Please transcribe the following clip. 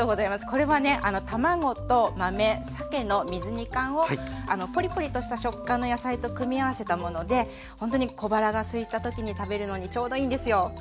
これはね卵と豆さけの水煮缶をポリポリとした食感の野菜と組み合わせたものでほんとに小腹がすいた時に食べるのにちょうどいいんですよ。